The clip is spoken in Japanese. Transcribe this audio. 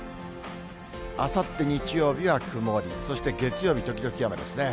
あさって日曜日は曇り、そして月曜日、時々雨ですね。